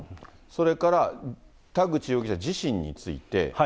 それから、田口容疑者、自身について。